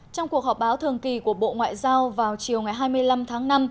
trong cuộc họp báo thường kỳ của bộ ngoại giao vào chiều ngày hai mươi năm tháng năm